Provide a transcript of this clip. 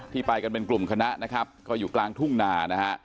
ไปกันเป็นกลุ่มคณะนะครับก็อยู่กลางทุ่งนานะฮะ